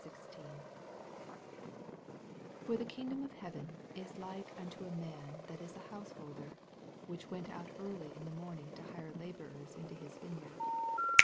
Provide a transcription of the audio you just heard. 1 For the kingdom of heaven is like unto a man tluUis&Ti householder, which went out early in the morning to hire laborers into his vineyard.